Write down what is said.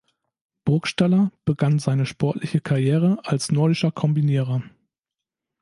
Burgstaller begann seine sportliche Karriere als Nordischer Kombinierer.